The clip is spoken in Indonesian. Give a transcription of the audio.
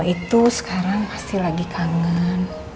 itu sekarang pasti lagi kangen